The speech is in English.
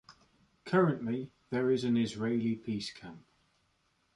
Currently, there is an Israeli peace camp.